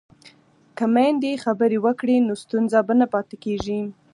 که میندې خبرې وکړي نو ستونزه به نه پاتې کېږي.